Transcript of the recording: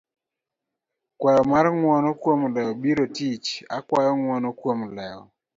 kwayo mar ng'uono kuom lewo biro tich, akwayo ng'uono kuom lewo